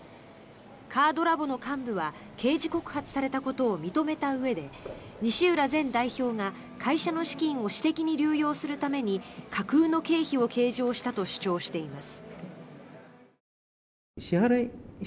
カードラボの幹部は刑事告発されたことを認めたうえで西浦前代表が会社の資金を私的に流用するために架空の経費を計上したと主張しています。